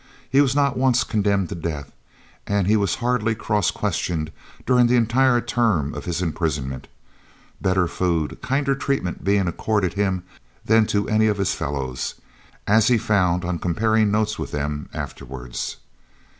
He was not once condemned to death, and he was hardly cross questioned during the entire term of his imprisonment better food, kinder treatment being accorded him than to any of his fellows, as he found on comparing notes with them afterwards.